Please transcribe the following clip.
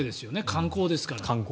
観光ですからね。